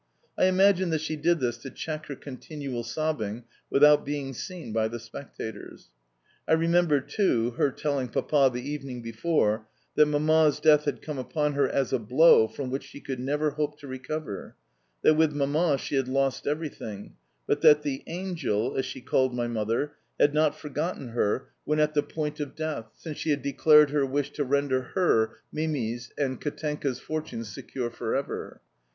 I imagine that she did this to check her continual sobbing without being seen by the spectators. I remember, too, her telling Papa, the evening before, that Mamma's death had come upon her as a blow from which she could never hope to recover; that with Mamma she had lost everything; but that "the angel," as she called my mother, had not forgotten her when at the point of death, since she had declared her wish to render her (Mimi's) and Katenka's fortunes secure for ever.